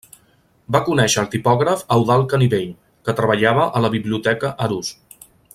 Va conèixer el tipògraf Eudald Canivell, que treballava a la Biblioteca Arús.